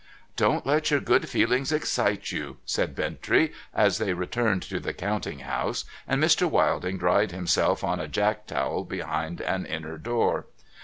' Don't let your good feelings excite you,' said Bintrey, as they returned to the counting house, and Mr. Wilding dried himself on a jack towel behind an inner door.